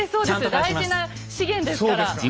大事な資源ですから。